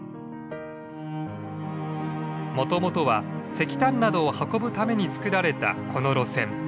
もともとは石炭などを運ぶために造られたこの路線。